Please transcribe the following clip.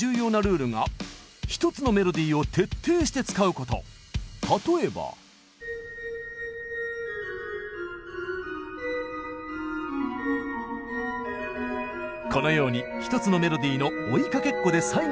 このように１つのメロディーの追いかけっこで最後まで作るのがフーガ。